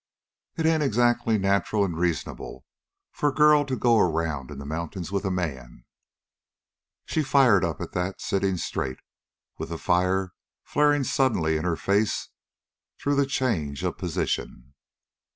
"It ain't exactly nacheral and reasonable for a girl to go around in the mountains with a man." She fired up at that, sitting straight, with the fire flaring suddenly in her face through the change of position.